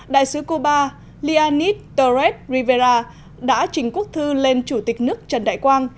đại sứ cuba lianis torres rivera đã trình quốc thư lên chủ tịch nước trần đại quang